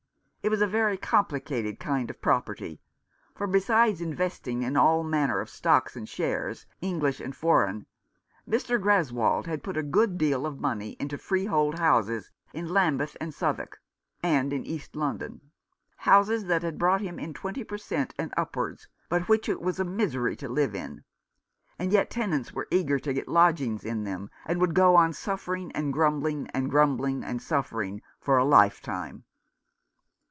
It was a very complicated kind of property, for besides investing in all manner of stocks and shares, English and foreign, Mr. Greswold had put a good deal of money into free hold houses in Lambeth and Southwark, and in East London ; houses that had brought him in twenty per cent, and upwards, but which it was a misery to live in ; and yet tenants were eager to get lodgings in them, and would go on suffering and grumbling, and grumbling and suffering, for a life time.